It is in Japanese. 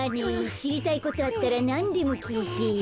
しりたいことあったらなんでもきいてよ。